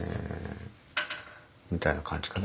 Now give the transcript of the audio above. みたいな感じかな。